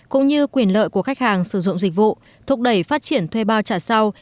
cũng như quyền lợi của khách hàng sử dụng dịch vụ thúc đẩy phát triển thuê bao trả sau